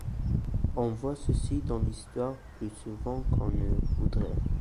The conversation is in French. On voit ceci dans l’histoire plus souvent qu’on ne voudrait.